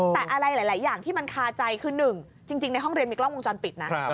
แต่อะไรหลายอย่างที่มันคาใจคือหนึ่งจริงในห้องเรียนมีกล้องวงจรปิดนะ